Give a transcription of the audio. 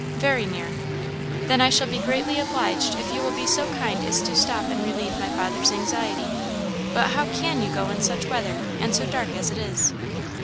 "Very near." "Then I shall be greatly obliged if you will be so kind as to stop and relieve my father's anxiety. But how can you go in such weather? and so dark as it is."